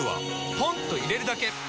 ポンと入れるだけ！